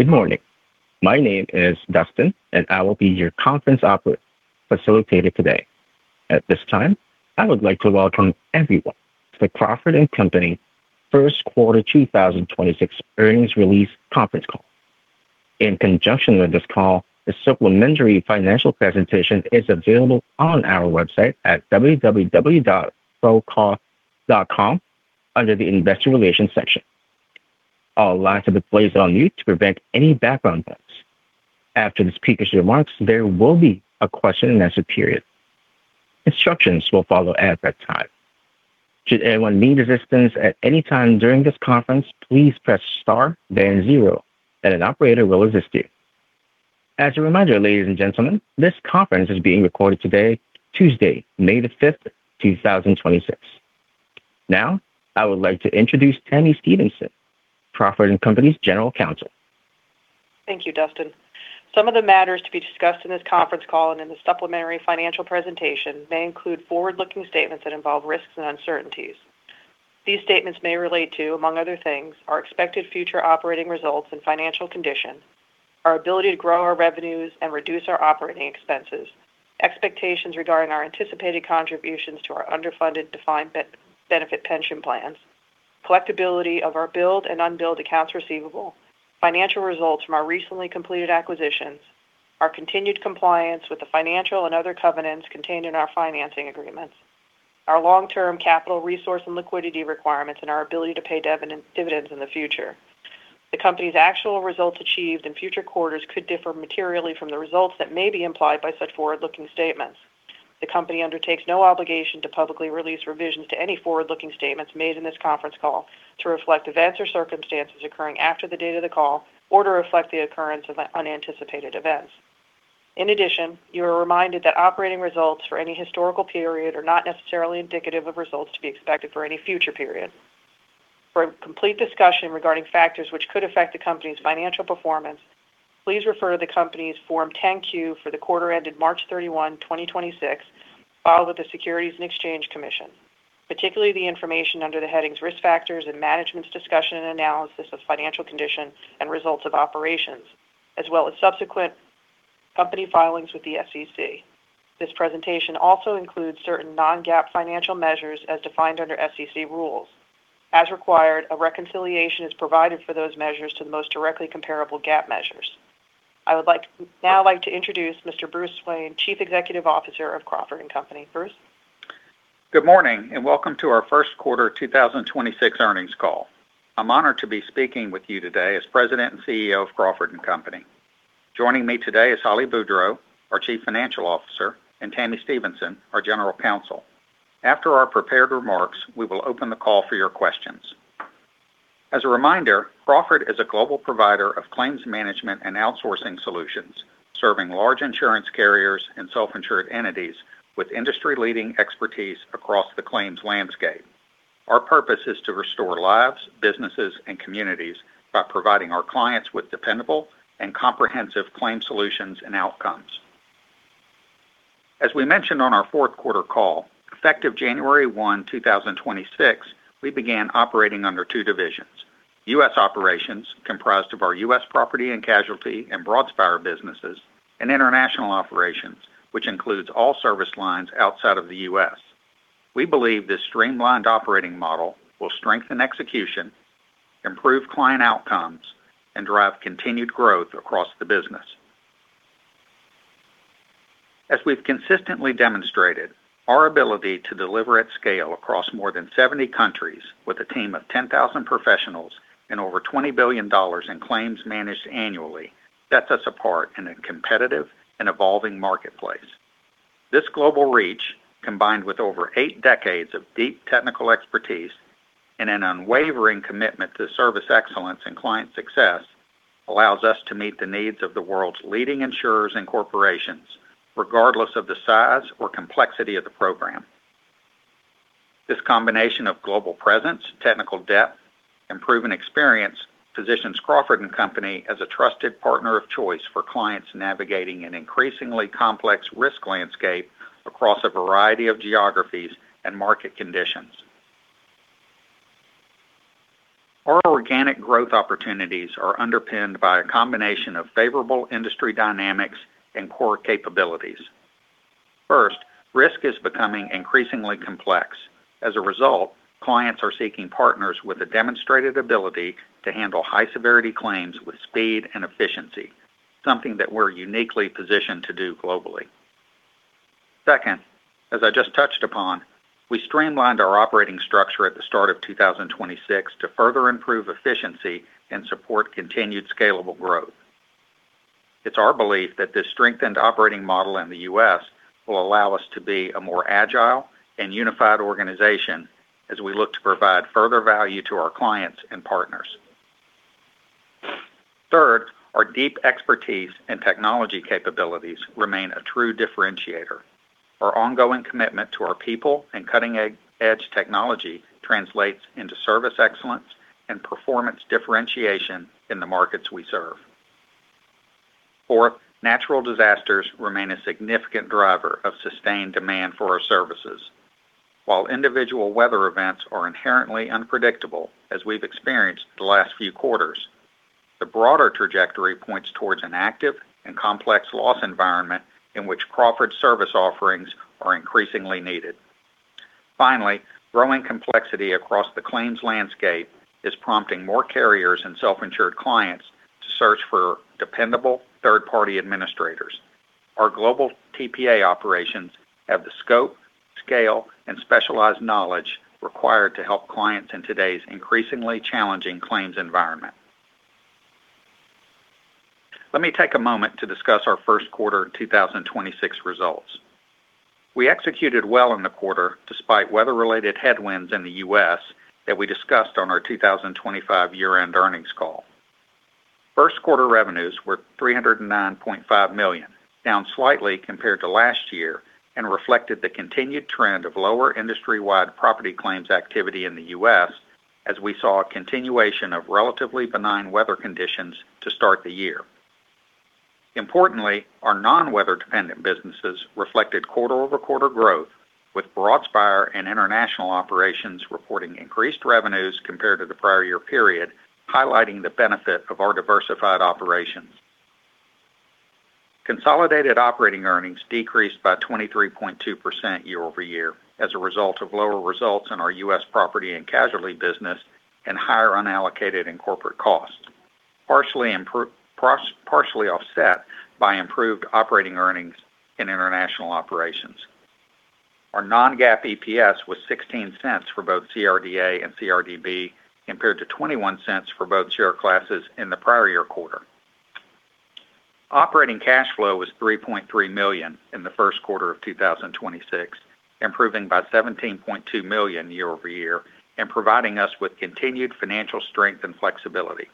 Good morning. My name is Dustin, and I will be your conference facilitator today. At this time, I would like to welcome everyone to the Crawford & Company First Quarter 2026 earnings release conference call. In conjunction with this call, a supplementary financial presentation is available on our website at www.crawco.com under the Investor Relations section. All lines have been placed on mute to prevent any background noise. After the speakers' remarks, there will be a question-and-answer period. Instructions will follow at that time. Should anyone need assistance at any time during this conference, please press star then zero, and an operator will assist you. As a reminder, ladies and gentlemen, this conference is being recorded today, Tuesday, May 5th, 2026. Now, I would like to introduce Tami Stevenson, Crawford & Company's General Counsel. Thank you, Dustin. Some of the matters to be discussed in this conference call and in the supplementary financial presentation may include forward-looking statements that involve risks and uncertainties. These statements may relate to, among other things, our expected future operating results and financial condition, our ability to grow our revenues and reduce our operating expenses, expectations regarding our anticipated contributions to our underfunded defined benefit pension plans, collectibility of our billed and unbilled accounts receivable, financial results from our recently completed acquisitions, our continued compliance with the financial and other covenants contained in our financing agreements, our long-term capital resource and liquidity requirements, and our ability to pay dividends in the future. The company's actual results achieved in future quarters could differ materially from the results that may be implied by such forward-looking statements. The company undertakes no obligation to publicly release revisions to any forward-looking statements made in this conference call to reflect events or circumstances occurring after the date of the call or to reflect the occurrence of unanticipated events. In addition, you are reminded that operating results for any historical period are not necessarily indicative of results to be expected for any future period. For a complete discussion regarding factors which could affect the company's financial performance, please refer to the company's Form 10-Q for the quarter ended March 31, 2026, filed with the Securities and Exchange Commission, particularly the information under the headings Risk Factors and Management's Discussion and Analysis of Financial Condition and Results of Operations, as well as subsequent company filings with the SEC. This presentation also includes certain non-GAAP financial measures as defined under SEC rules. As required, a reconciliation is provided for those measures to the most directly comparable GAAP measures. I would now like to introduce Mr. Bruce Swain, Chief Executive Officer of Crawford & Company. Bruce? Good morning, and welcome to our First Quarter 2026 earnings call. I'm honored to be speaking with you today as President and CEO of Crawford & Company. Joining me today is Holly Boudreau, our Chief Financial Officer, and Tami Stevenson, our General Counsel. After our prepared remarks, we will open the call for your questions. As a reminder, Crawford is a global provider of claims management and outsourcing solutions, serving large insurance carriers and self-insured entities with industry-leading expertise across the claims landscape. Our purpose is to restore lives, businesses, and communities by providing our clients with dependable and comprehensive claims solutions and outcomes. As we mentioned on our fourth quarter call, effective January 1, 2026, we began operating under two divisions: U.S. Operations, comprised of our U.S. Property and Casualty and Broadspire businesses; and International Operations, which includes all service lines outside of the U.S. We believe this streamlined operating model will strengthen execution, improve client outcomes, and drive continued growth across the business. As we've consistently demonstrated, our ability to deliver at scale across more than 70 countries with a team of 10,000 professionals and over $20 billion in claims managed annually sets us apart in a competitive and evolving marketplace. This global reach, combined with over eight decades of deep technical expertise and an unwavering commitment to service excellence and client success, allows us to meet the needs of the world's leading insurers and corporations, regardless of the size or complexity of the program. This combination of global presence, technical depth, and proven experience positions Crawford & Company as a trusted partner of choice for clients navigating an increasingly complex risk landscape across a variety of geographies and market conditions. Our organic growth opportunities are underpinned by a combination of favorable industry dynamics and core capabilities. First, risk is becoming increasingly complex. As a result, clients are seeking partners with a demonstrated ability to handle high-severity claims with speed and efficiency, something that we're uniquely positioned to do globally. Second, as I just touched upon, we streamlined our operating structure at the start of 2026 to further improve efficiency and support continued scalable growth. It's our belief that this strengthened operating model in the U.S. will allow us to be a more agile and unified organization as we look to provide further value to our clients and partners. Third, our deep expertise and technology capabilities remain a true differentiator. Our ongoing commitment to our people and cutting-edge technology translates into service excellence and performance differentiation in the markets we serve. Fourth, natural disasters remain a significant driver of sustained demand for our services. While individual weather events are inherently unpredictable, as we've experienced the last few quarters, the broader trajectory points towards an active and complex loss environment in which Crawford's service offerings are increasingly needed. Finally, growing complexity across the claims landscape is prompting more carriers and self-insured clients to search for dependable third-party administrators. Our global TPA operations have the scope, scale, and specialized knowledge required to help clients in today's increasingly challenging claims environment. Let me take a moment to discuss our first quarter 2026 results. We executed well in the quarter despite weather-related headwinds in the U.S. that we discussed on our 2025 year-end earnings call. First quarter revenues were $309.5 million, down slightly compared to last year, reflected the continued trend of lower industry-wide property claims activity in the U.S. as we saw a continuation of relatively benign weather conditions to start the year. Importantly, our non-weather dependent businesses reflected quarter-over-quarter growth with Broadspire and International Operations reporting increased revenues compared to the prior year period, highlighting the benefit of our diversified operations. Consolidated operating earnings decreased by 23.2% year-over-year as a result of lower results in our U.S. Property and Casualty business and higher unallocated and corporate costs, partially offset by improved operating earnings in International Operations. Our non-GAAP EPS was $0.16 for both CRDA and CRDB compared to $0.21 for both share classes in the prior year quarter. Operating cash flow was $3.3 million in the first quarter of 2026, improving by $17.2 million year-over-year and providing us with continued financial strength and flexibility.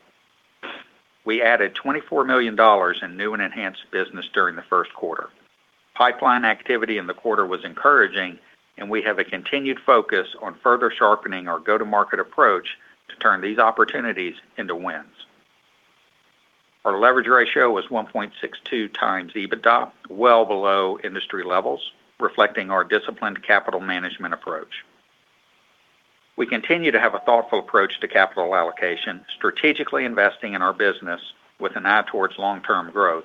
We added $24 million in new and enhanced business during the first quarter. Pipeline activity in the quarter was encouraging, and we have a continued focus on further sharpening our go-to-market approach to turn these opportunities into wins. Our leverage ratio was 1.62x EBITDA, well below industry levels, reflecting our disciplined capital management approach. We continue to have a thoughtful approach to capital allocation, strategically investing in our business with an eye towards long-term growth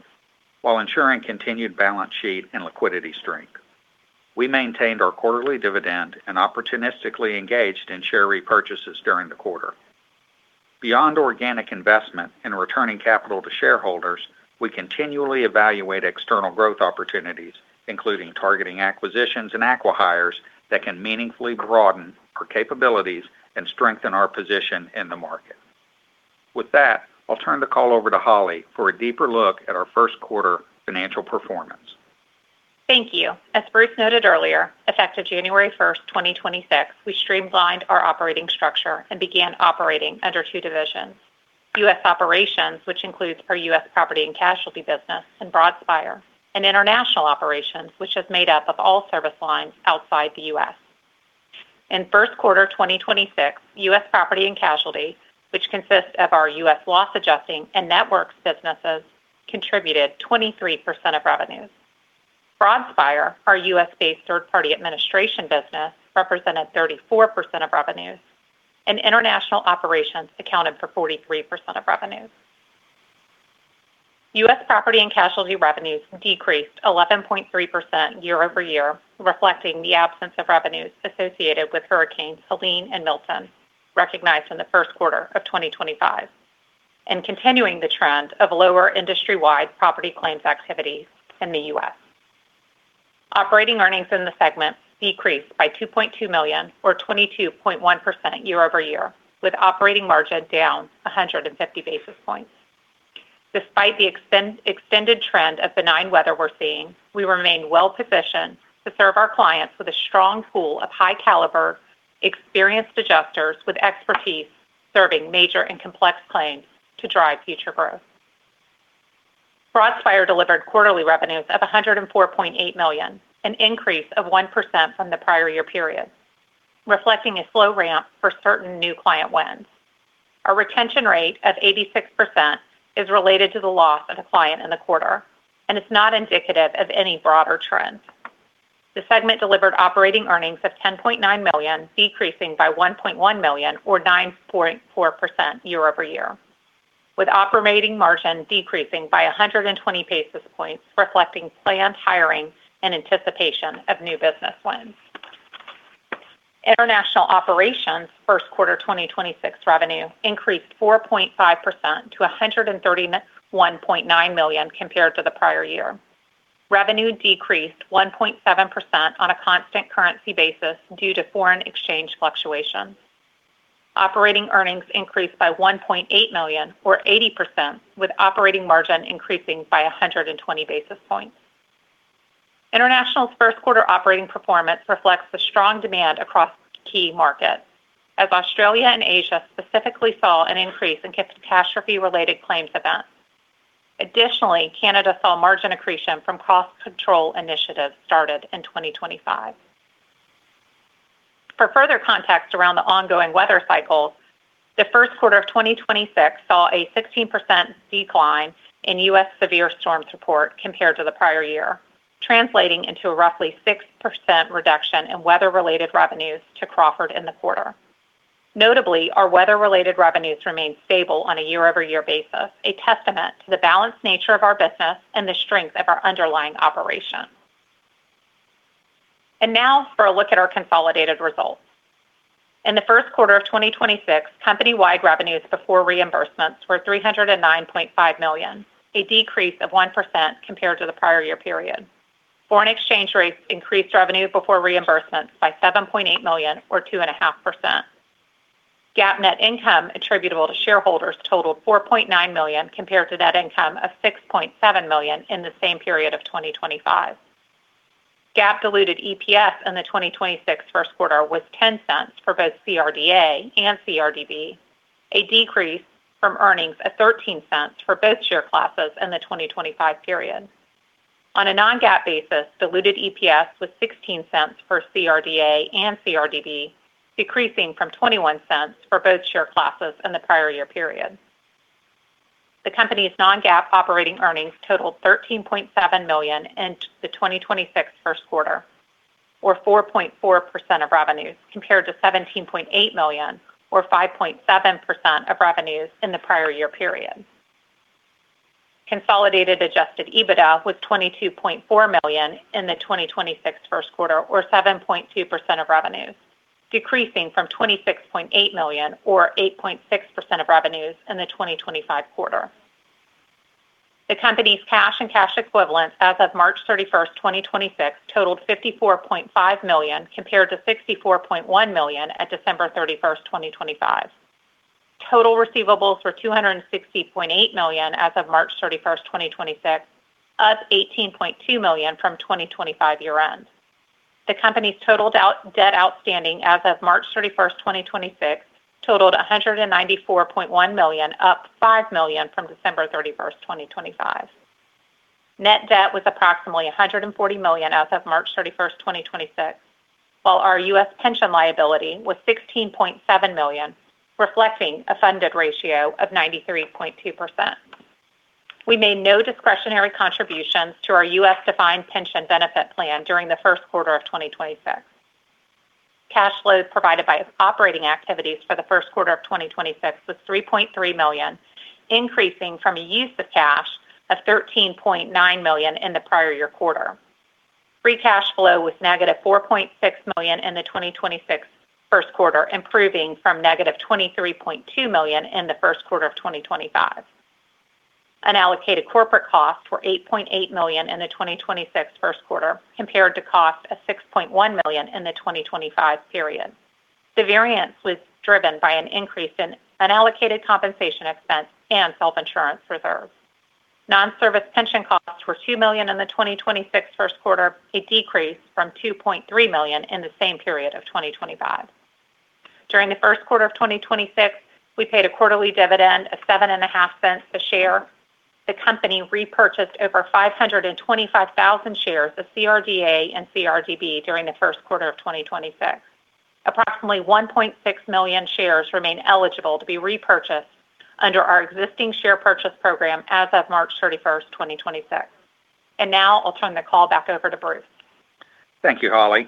while ensuring continued balance sheet and liquidity strength. We maintained our quarterly dividend and opportunistically engaged in share repurchases during the quarter. Beyond organic investment in returning capital to shareholders, we continually evaluate external growth opportunities, including targeting acquisitions and acqui-hires that can meaningfully broaden our capabilities and strengthen our position in the market. With that, I'll turn the call over to Holly for a deeper look at our first quarter financial performance. Thank you. As Bruce noted earlier, effective January 1st, 2026, we streamlined our operating structure and began operating under two divisions. U.S. Operations, which includes our U.S. Property and Casualty business and Broadspire. International Operations, which is made up of all service lines outside the U.S. In first quarter 2026, U.S. Property and Casualty, which consists of our U.S. loss adjusting and networks businesses, contributed 23% of revenues. Broadspire, our U.S.-based third-party administration business, represented 34% of revenues, and International Operations accounted for 43% of revenues. U.S. Property and Casualty revenues decreased 11.3% year-over-year, reflecting the absence of revenues associated with Hurricane Helene and Hurricane Milton, recognized in the first quarter of 2025, and continuing the trend of lower industry-wide property claims activity in the U.S. Operating earnings in the segment decreased by $2.2 million or 22.1% year-over-year, with operating margin down 150 basis points. Despite the extended trend of benign weather we're seeing, we remain well-positioned to serve our clients with a strong pool of high-caliber, experienced adjusters with expertise serving major and complex claims to drive future growth. Broadspire delivered quarterly revenues of $104.8 million, an increase of 1% from the prior year period, reflecting a slow ramp for certain new client wins. Our retention rate of 86% is related to the loss of a client in the quarter, and it's not indicative of any broader trends. The segment delivered operating earnings of $10.9 million, decreasing by $1.1 million or 9.4% year-over-year, with operating margin decreasing by 120 basis points, reflecting planned hiring in anticipation of new business wins. International Operations' first quarter 2026 revenue increased 4.5% to $131.9 million compared to the prior year. Revenue decreased 1.7% on a constant currency basis due to foreign exchange fluctuations. Operating earnings increased by $1.8 million or 80%, with operating margin increasing by 120 basis points. International's first quarter operating performance reflects the strong demand across key markets, as Australia and Asia specifically saw an increase in catastrophe-related claims events. Canada saw margin accretion from cost control initiatives started in 2025. For further context around the ongoing weather cycles, the first quarter of 2026 saw a 16% decline in U.S. severe storm support compared to the prior year, translating into a roughly 6% reduction in weather-related revenues to Crawford in the quarter. Notably, our weather-related revenues remained stable on a year-over-year basis, a testament to the balanced nature of our business and the strength of our underlying operation. Now for a look at our consolidated results. In the first quarter of 2026, company-wide revenues before reimbursements were $309.5 million, a decrease of 1% compared to the prior year period. Foreign exchange rates increased revenue before reimbursements by $7.8 million or 2.5%. GAAP net income attributable to shareholders totaled $4.9 million compared to net income of $6.7 million in the same period of 2025. GAAP diluted EPS in the 2026 first quarter was $0.10 for both CRDA and CRDB, a decrease from earnings of $0.13 for both share classes in the 2025 period. On a non-GAAP basis, diluted EPS was $0.16 for CRDA and CRDB, decreasing from $0.21 for both share classes in the prior year period. The company's non-GAAP operating earnings totaled $13.7 million in the 2026 first quarter, or 4.4% of revenues, compared to $17.8 million, or 5.7% of revenues in the prior year period. Consolidated adjusted EBITDA was $22.4 million in the 2026 first quarter, or 7.2% of revenues, decreasing from $26.8 million, or 8.6% of revenues in the 2025 quarter. The company's cash and cash equivalents as of March 31st, 2026 totaled $54.5 million compared to $64.1 million at December 31st, 2025. Total receivables were $260.8 million as of March 31st, 2026, up $18.2 million from 2025 year-end. The company's total debt outstanding as of March 31st, 2026 totaled $194.1 million, up $5 million from December 31st, 2025. Net debt was approximately $140 million as of March 31st, 2026, while our U.S. pension liability was $16.7 million, reflecting a funded ratio of 93.2%. We made no discretionary contributions to our U.S. defined pension benefit plan during the first quarter of 2026. Cash flows provided by operating activities for the first quarter of 2026 was $3.3 million, increasing from a use of cash of $13.9 million in the prior year quarter. Free cash flow was -$4.6 million in the 2026 first quarter, improving from -$23.2 million in the first quarter of 2025. Unallocated corporate costs were $8.8 million in the 2026 first quarter, compared to costs of $6.1 million in the 2025 period. The variance was driven by an increase in unallocated compensation expense and self-insurance reserves. Non-service pension costs were $2 million in the 2026 first quarter, a decrease from $2.3 million in the same period of 2025. During the first quarter of 2026, we paid a quarterly dividend of $0.075 a share. The company repurchased over 525,000 shares of CRDA and CRDB during the first quarter of 2026. Approximately 1.6 million shares remain eligible to be repurchased under our existing share purchase program as of March 31st, 2026. Now I'll turn the call back over to Bruce. Thank you, Holly.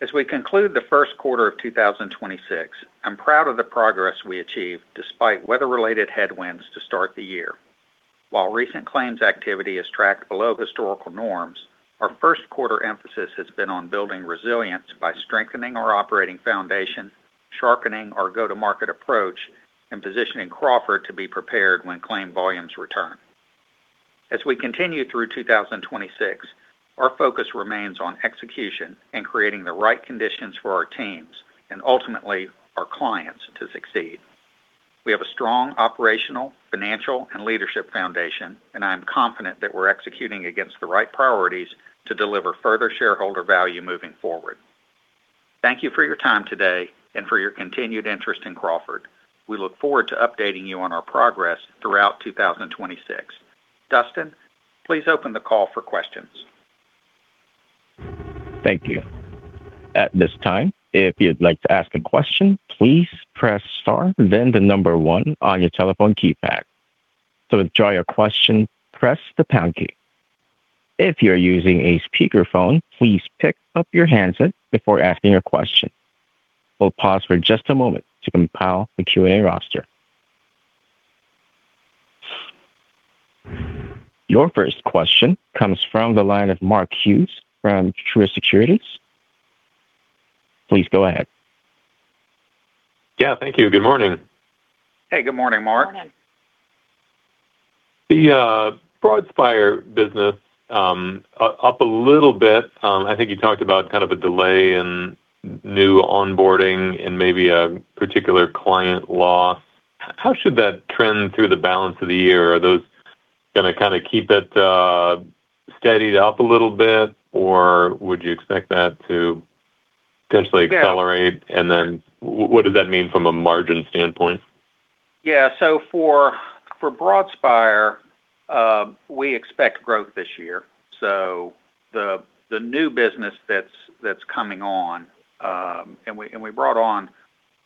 As we conclude the first quarter of 2026, I'm proud of the progress we achieved despite weather-related headwinds to start the year. While recent claims activity is tracked below historical norms, our first quarter emphasis has been on building resilience by strengthening our operating foundation, sharpening our go-to-market approach, and positioning Crawford to be prepared when claim volumes return. As we continue through 2026, our focus remains on execution and creating the right conditions for our teams and ultimately our clients to succeed. We have a strong operational, financial, and leadership foundation, and I am confident that we're executing against the right priorities to deliver further shareholder value moving forward. Thank you for your time today and for your continued interest in Crawford. We look forward to updating you on our progress throughout 2026. Dustin, please open the call for questions. Thank you. At this time, if you'd like to ask a question, please press star then the number one on your telephone keypad. To withdraw your question, press the pound key. If you are using a speakerphone, please pick up your handset before asking your question. We'll pause for just a moment to compile the QA roster. Your first question comes from the line of Mark Hughes from Truist Securities. Please go ahead. Yeah, thank you. Good morning. Hey, good morning, Mark. Morning. The Broadspire business, up a little bit. I think you talked about kind of a delay in new onboarding and maybe a particular client loss. How should that trend through the balance of the year? Are those going to kind of keep it steadied up a little bit, or would you expect that to potentially accelerate? Yeah. What does that mean from a margin standpoint? Yeah. For Broadspire, we expect growth this year. The new business that's coming on, and we brought on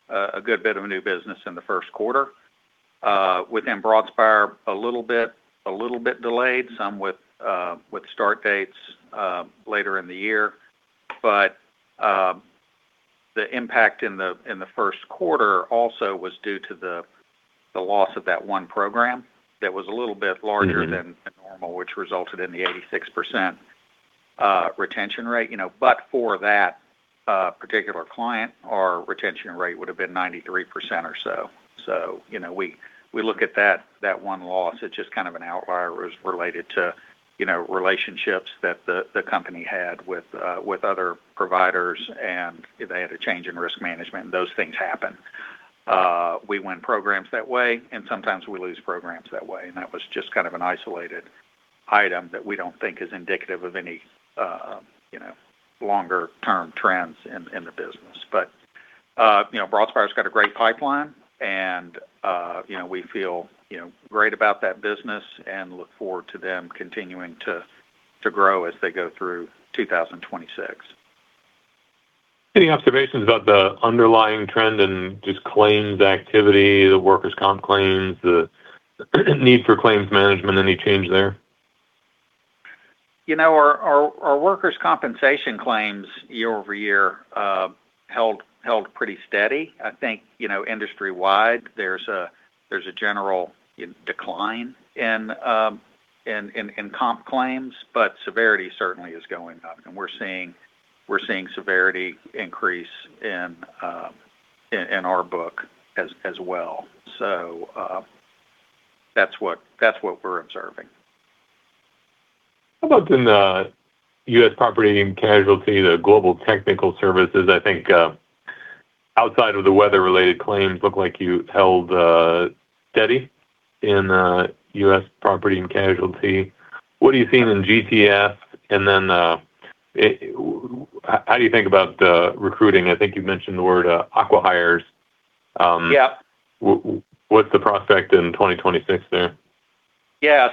a good bit of new business in the first quarter within Broadspire a little bit delayed, some with start dates later in the year. The impact in the first quarter also was due to the loss of that one program. normal, which resulted in the 86% retention rate, you know. For that particular client, our retention rate would have been 93% or so. You know, we look at that one loss, it's just kind of an outlier was related to, you know, relationships that the company had with other providers and they had a change in risk management. Those things happen. We win programs that way, and sometimes we lose programs that way. That was just kind of an isolated item that we don't think is indicative of any, you know, longer term trends in the business. You know, Broadspire's got a great pipeline, and you know, we feel, you know, great about that business and look forward to them continuing to grow as they go through 2026. Any observations about the underlying trend in just claims activity, the workers' comp claims, the need for claims management, any change there? You know, our workers' compensation claims year-over-year held pretty steady. I think, you know, industry-wide, there's a general decline in comp claims, but severity certainly is going up. We're seeing severity increase in our book as well. That's what we're observing. How about in the U.S. Property and Casualty, the Global Technical Services? I think, outside of the weather-related claims look like you held steady in U.S. Property and Casualty. What are you seeing in GTS? How do you think about the recruiting? I think you've mentioned the word acqui-hires. Yeah what's the prospect in 2026 there? Yeah.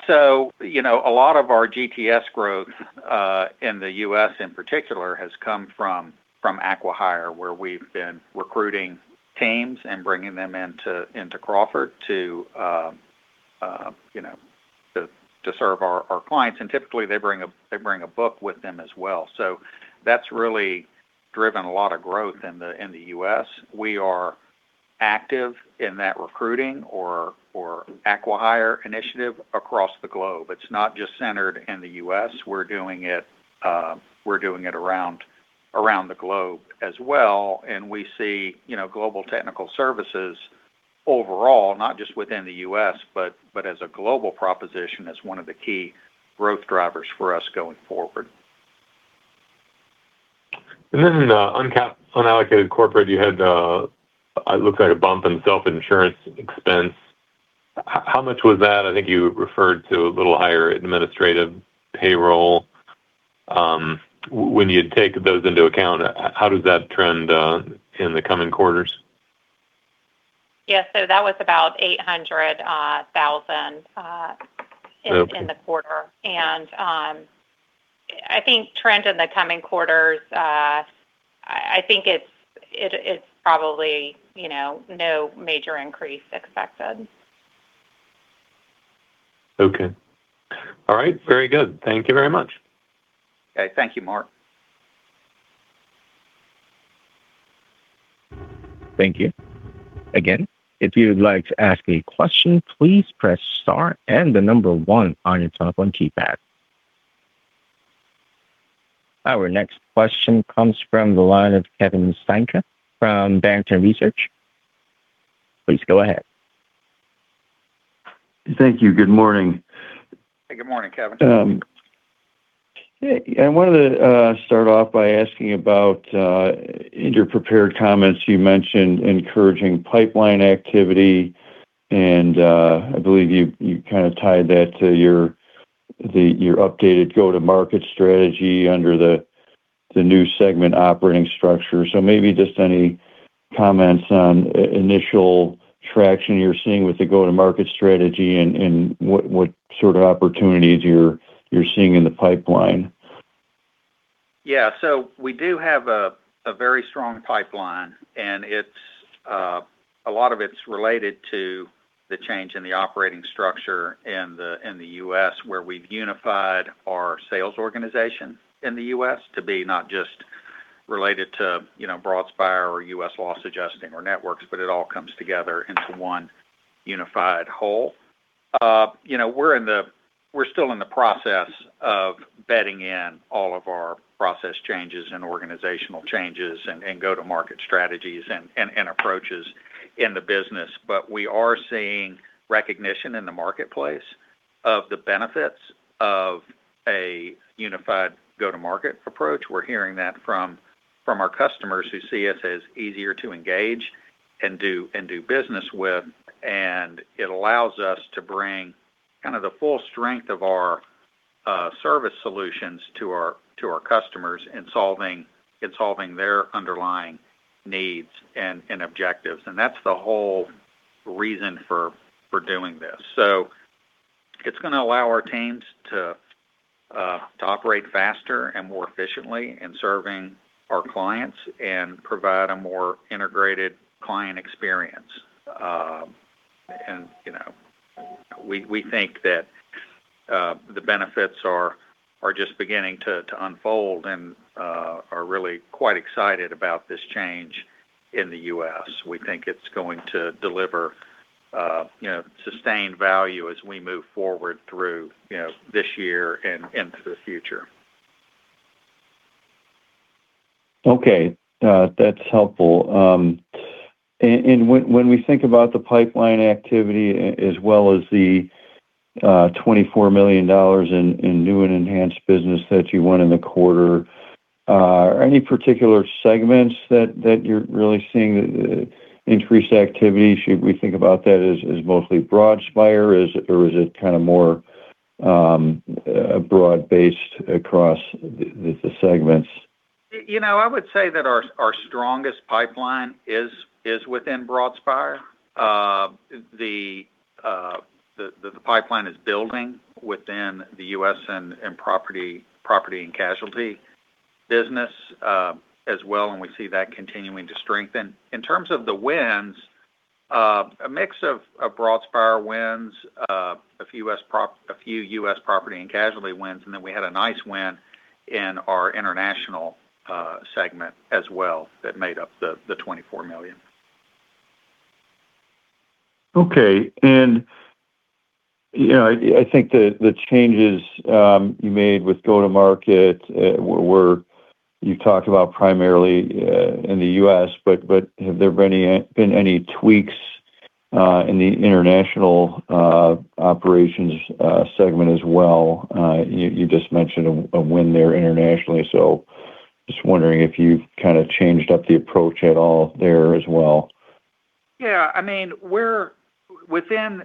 You know, a lot of our GTS growth, in the U.S. in particular, has come from acqui-hires, where we've been recruiting teams and bringing them into Crawford to serve our clients. Typically, they bring a book with them as well. That's really driven a lot of growth in the U.S. We are active in that recruiting or acqui-hires initiative across the globe. It's not just centered in the U.S. We're doing it around the globe as well. We see, you know, Global Technical Services overall, not just within the U.S., but as a global proposition, as one of the key growth drivers for us going forward. Then in the unallocated corporate, you had it looks like a bump in self-insurance expense. How much was that? I think you referred to a little higher administrative payroll. When you take those into account, how does that trend in the coming quarters? Yeah. That was about $800,000 in the quarter. I think trend in the coming quarters, I think it's probably, you know, no major increase expected. Okay. All right. Very good. Thank you very much. Okay. Thank you, Mark. Thank you. Again, if you would like to ask a question, please press star and the number one on your telephone keypad. Our next question comes from the line of Kevin M. Steinke from Barrington Research. Please go ahead. Thank you. Good morning. Hey, good morning, Kevin. Hey, I wanted to start off by asking about in your prepared comments, you mentioned encouraging pipeline activity, I believe you kind of tied that to your updated go-to-market strategy under the new segment operating structure. Maybe just any comments on initial traction you're seeing with the go-to-market strategy and what sort of opportunities you're seeing in the pipeline? We do have a very strong pipeline, and it's a lot of it's related to the change in the operating structure in the U.S., where we've unified our sales organization in the U.S. to be not just related to, you know, Broadspire or U.S. loss adjusting or networks, but it all comes together into one unified whole. You know, we're still in the process of bedding in all of our process changes and organizational changes and go-to-market strategies and approaches in the business. We are seeing recognition in the marketplace of the benefits of a unified go-to-market approach. We're hearing that from our customers who see us as easier to engage and do business with. It allows us to bring kind of the full strength of our service solutions to our customers in solving their underlying needs and objectives. That's the whole reason for doing this. It's gonna allow our teams to operate faster and more efficiently in serving our clients and provide a more integrated client experience. You know, we think that the benefits are just beginning to unfold and are really quite excited about this change in the U.S. We think it's going to deliver, you know, sustained value as we move forward through, you know, this year and into the future. Okay. That's helpful. When we think about the pipeline activity as well as the $24 million in new and enhanced business that you won in the quarter, are any particular segments that you're really seeing increased activity? Should we think about that as mostly Broadspire? Or is it kind of more broad-based across the segments? You know, I would say that our strongest pipeline is within Broadspire. The pipeline is building within the U.S. and U.S. Property and Casualty business as well, and we see that continuing to strengthen. In terms of the wins, a mix of Broadspire wins, a few U.S. Property and Casualty wins, and then we had a nice win in our International Operations segment as well that made up the $24 million. Okay. You know, I think the changes you made with go-to-market, you talked about primarily in the U.S., but have there been any tweaks in the International Operations segment as well? You just mentioned a win there internationally, just wondering if you've kind of changed up the approach at all there as well. I mean, within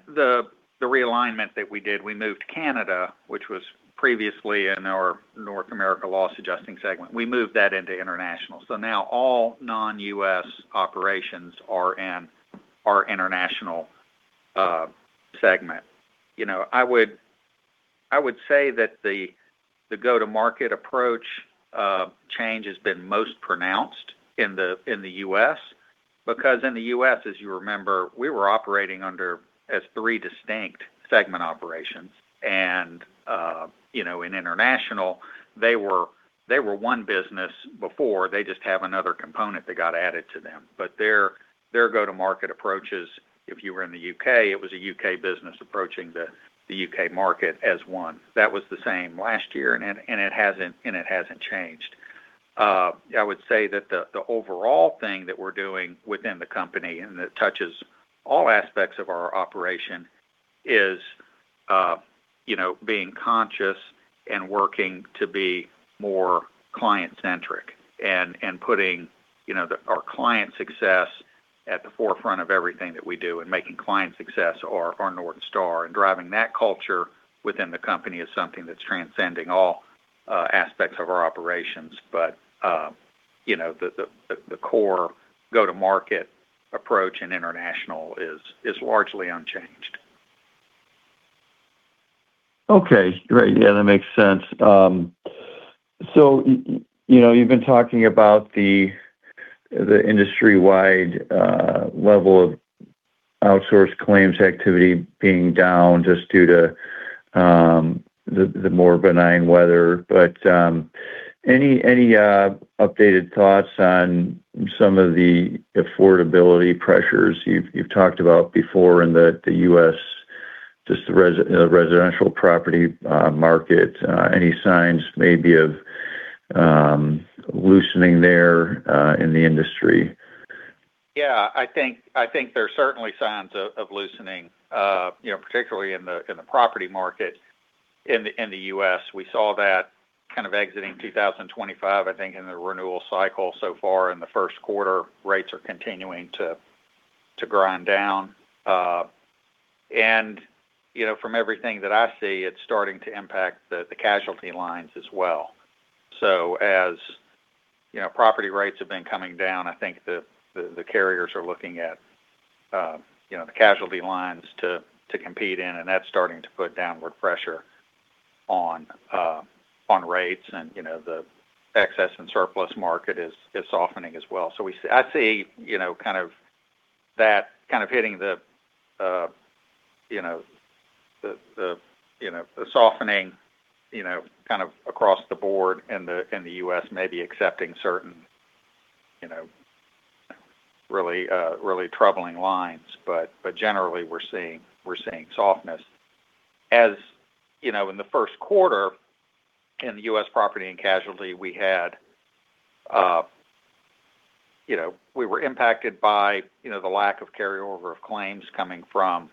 the realignment that we did, we moved Canada, which was previously in our North America Loss Adjusting segment. We moved that into International Operations. Now all non-U.S. operations are in our International Operations segment. You know, I would say that the go-to-market approach change has been most pronounced in the U.S. because in the U.S., as you remember, we were operating under as three distinct segment operations. You know, in International Operations, they were one business before. They just have another component that got added to them. Their go-to-market approach is, if you were in the U.K., it was a U.K. business approaching the U.K. market as one. That was the same last year and it hasn't changed. I would say that the overall thing that we're doing within the company, and it touches all aspects of our operation, is, you know, being conscious and working to be more client-centric and putting, you know, our client success at the forefront of everything that we do and making client success our North Star. Driving that culture within the company is something that's transcending all aspects of our operations. You know, the, the core go-to-market approach in international is largely unchanged. Okay, great. Yeah, that makes sense. you know, you've been talking about the industry-wide level of outsourced claims activity being down just due to the more benign weather. Any updated thoughts on some of the affordability pressures you've talked about before in the U.S., just the you know, residential property market? Any signs maybe of loosening there in the industry? Yeah. I think there are certainly signs of loosening, you know, particularly in the U.S. We saw that kind of exiting 2025, I think, in the renewal cycle so far in the first quarter. Rates are continuing to grind down. From everything that I see, it's starting to impact the casualty lines as well. So as, you know, property rates have been coming down, I think the carriers are looking at, you know, the casualty lines to compete in, and that's starting to put downward pressure on rates and, you know, the excess and surplus market is softening as well. I see, you know, kind of that hitting the, you know, the softening, you know, kind of across the board in the U.S., maybe excepting certain, you know, really troubling lines. Generally, we're seeing softness. As you know, in the first quarter in the U.S. Property and Casualty, we had, you know, we were impacted by, you know, the lack of carryover of claims coming from,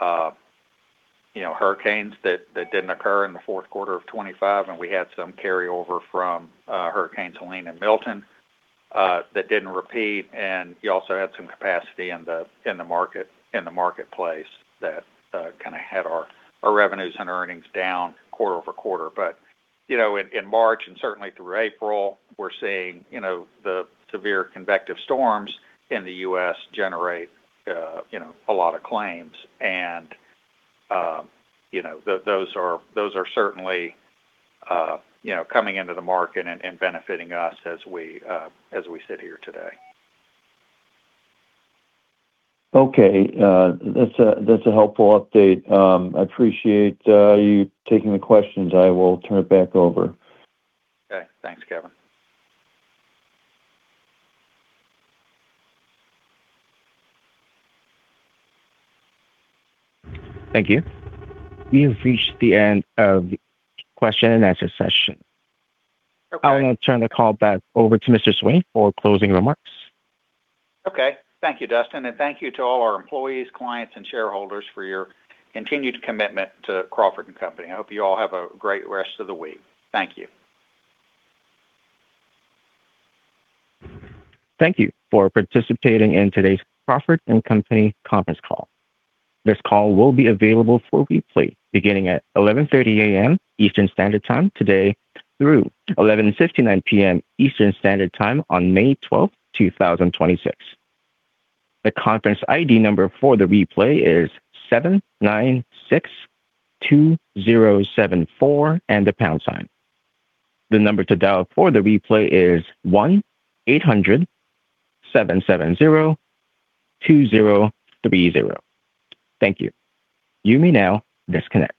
you know, hurricanes that didn't occur in the fourth quarter of 2025, and we had some carryover from Hurricanes Helene and Milton that didn't repeat, and you also had some capacity in the marketplace that kind of had our revenues and earnings down quarter-over-quarter. You know, in March and certainly through April, we're seeing, you know, the severe convective storms in the U.S. generate, you know, a lot of claims. You know, those are certainly, you know, coming into the market and benefiting us as we sit here today. Okay. That's a helpful update. I appreciate you taking the questions. I will turn it back over. Okay. Thanks, Kevin. Thank you. We have reached the end of the question and answer session. Okay. I want to turn the call back over to Mr. Swain for closing remarks. Okay. Thank you, Dustin. Thank you to all our employees, clients, and shareholders for your continued commitment to Crawford & Company. I hope you all have a great rest of the week. Thank you. Thank you for participating in today's Crawford & Company conference call. This call will be available for replay beginning at 11:30 A.M. Eastern Standard Time today through 11:59 P.M. Eastern Standard Time on May 12th, 2026. The conference ID number for the replay is seven, nine, six, two, zero, seven, four, and a pound sign. The number to dial for the replay is one, eight hundred, seven, seven, zero two, zero, three, zero. Thank you. You may now disconnect.